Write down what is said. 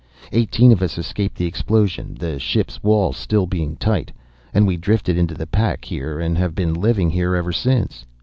Eighteen of us escaped the explosion, the ship's walls still being tight; and we drifted into the pack here, and have been living here ever since."